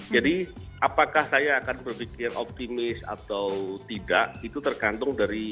jadi apakah saya akan berpikir optimis atau tidak itu tergantung dari